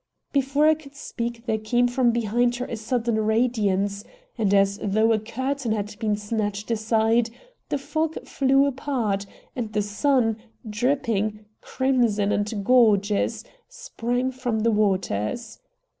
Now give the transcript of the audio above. Before I could speak there came from behind her a sudden radiance, and as though a curtain had been snatched aside, the fog flew apart, and the sun, dripping, crimson, and gorgeous, sprang from the waters.